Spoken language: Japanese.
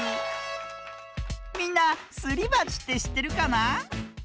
みんなすりばちってしってるかな？